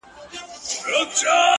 o خود دي خالـونه پــه واوښتــل ـ